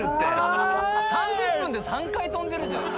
３０分で３回とんでるじゃん。